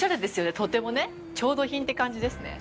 とてもね調度品って感じですね。